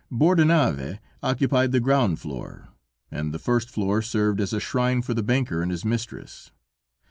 Bordenave occupied the ground floor, and the first floor served as a shrine for the banker and his mistress.